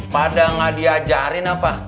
padahal gak diajarin apa